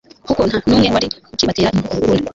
kuko nta n'umwe wari ukibatera intugunda